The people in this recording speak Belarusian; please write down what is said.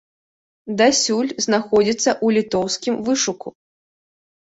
Дасюль знаходзіцца ў літоўскім вышуку.